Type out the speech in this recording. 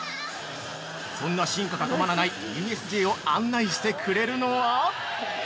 そんな進化が止まらないＵＳＪを案内してくれるのは？